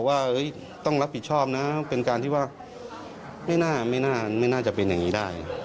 แล้วก็ยืนยันว่านี่ยืนยันแบบนี้ค่ะ